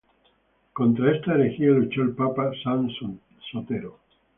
Contra esta herejía luchó el papa San Sotero.